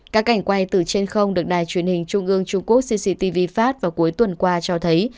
các cảnh quay từ trên không được đài truyền hình trung ương trung quốc cctv phát vào cuối tuần qua cho thấy